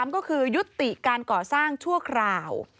ก็คือยุติการก่อสร้างชั่วคราว